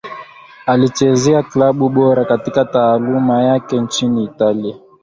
Alichezea klabu bora katika taaluma yake nchini Italia